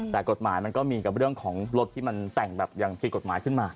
แต่กฎหมายมันก็มีกับเรื่องของรถที่มันแต่งแบบอย่างผิดกฎหมายขึ้นมา